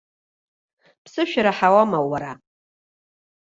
Ԥсышәа раҳауама, уара?